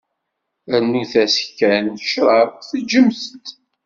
Rnut-as kan ccrab, teǧǧem-t.